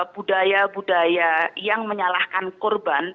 budaya budaya yang menyalahkan korban